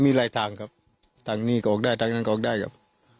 มีหลายทางครับทางนี้กรอกได้ทางนั้นออกได้ครับ